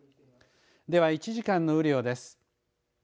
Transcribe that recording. では、１時間の雨量です。